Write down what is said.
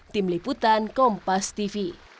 tim liputan kompas tv